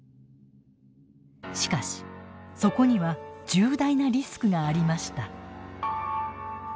しかしそこには重大なリスクがありました。